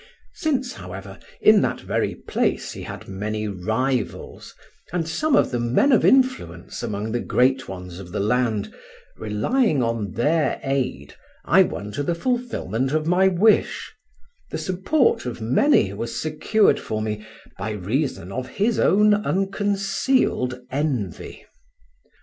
Since, however, in that very place he had many rivals, and some of them men of influence among the great ones of the land, relying on their aid I won to the fulfillment of my wish; the support of many was secured for me by reason of his own unconcealed envy.